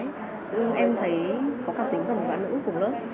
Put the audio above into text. tự dưng em thấy có cảm tính với một bà nữ cùng lớp